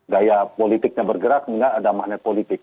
gaya politiknya bergerak hingga ada makna politik